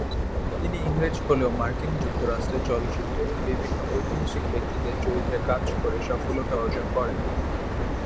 তিনি ইংরেজ হলেও মার্কিন যুক্তরাষ্ট্রের চলচ্চিত্রে বিভিন্ন ঐতিহাসিক ব্যক্তিদের চরিত্রে কাজ করে সফলতা অর্জন করেন।